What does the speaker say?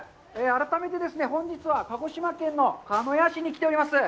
改めてですね、本日は鹿児島県の鹿屋市に来ております。